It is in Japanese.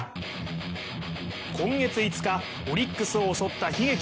今月５日オリックスを襲った悲劇。